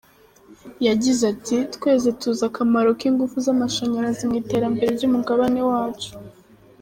Yagize ati “Twese tuzi akamaro k’ingufu z’amashanyarazi mu iterambere ry’umugabane wacu.